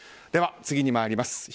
では次に参ります。